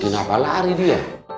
kenapa lari dia